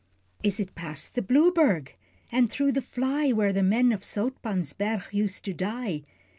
Is it past the Blueberg, and through the fly, Where the men of Zoutpansberg used to die?